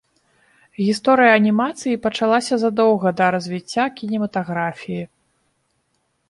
Гісторыя анімацыі пачалася задоўга да развіцця кінематаграфіі.